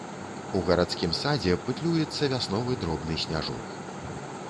У гарадскім садзе пытлюецца вясновы дробны сняжок.